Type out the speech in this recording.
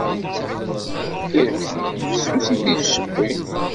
Irektiyen fessusit i ussewwi.